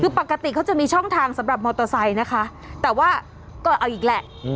คือปกติเขาจะมีช่องทางสำหรับมอเตอร์ไซค์นะคะแต่ว่าก็เอาอีกแหละ